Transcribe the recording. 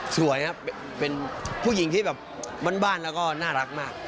สวยครับเป็นผู้หญิงที่แบบบ้านแล้วก็น่ารักมาก